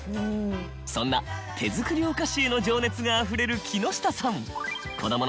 そんな手作りお菓子への情熱があふれる木下さん。